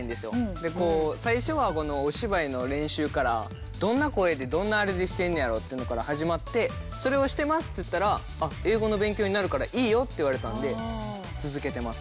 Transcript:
で最初はお芝居の練習からどんな声でどんなあれでしてんねやろう？っていうのから始まってそれをしてますって言ったら英語の勉強になるからいいよって言われたんで続けてます。